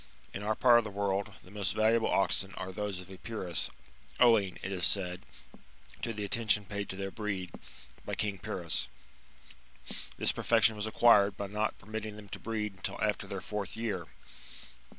In our part of the world the most valuable oxen are those of Epirus, owing, it is said, to the attention paid to their breed by King Pyrrhus.^ This perfection was acquired by not permitting them to breed until after their fourth year.